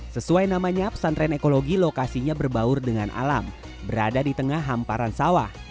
sesuai namanya pesantren ekologi lokasinya berbaur dengan alam berada di tengah hamparan sawah